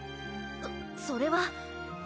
そそれは。